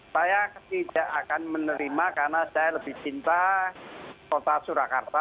saya tidak akan menerima karena saya lebih cinta kota surakarta